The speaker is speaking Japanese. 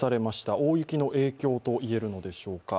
大雪の影響と言えるのでしょうか。